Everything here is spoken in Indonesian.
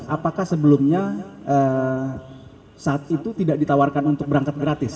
apakah sebelumnya saat itu tidak ditawarkan untuk berangkat gratis